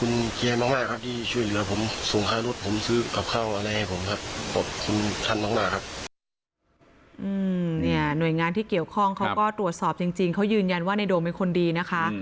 เนี่ยหน่วยงานที่เกี่ยวข้องเขาก็ตรวจสอบจริงเขายืนยันว่าในโดมเป็นคนดีนะคะ